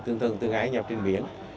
tương thân tương ái nhau trên biển